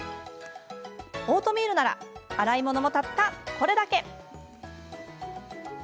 オートミールなら洗い物もたったこれだけ。